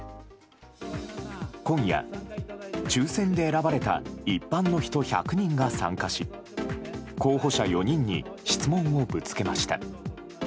今夜、抽選で選ばれた一般の人１００人が参加し候補者４人に質問をぶつけました。